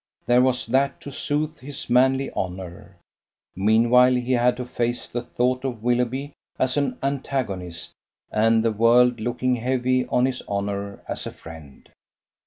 There was that to soothe his manly honour. Meanwhile he had to face the thought of Willoughby as an antagonist, and the world looking heavy on his honour as a friend.